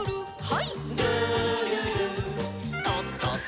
はい。